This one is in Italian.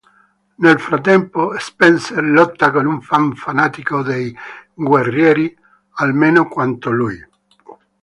Nel frattempo Spencer lotta con un fan fanatico dei guerrieri, almeno quanto lui.